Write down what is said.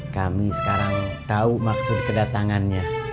kami sekarang tahu maksud kedatangannya